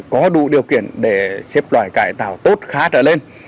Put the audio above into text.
có đủ điều kiện để xếp loại cải tạo tốt khá trở lên